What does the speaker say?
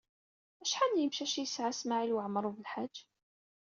Acḥal n yemcac ay yesɛa Smawil Waɛmaṛ U Belḥaǧ?